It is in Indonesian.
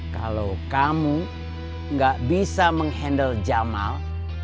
kalau kamu gak bisa menghandle jamal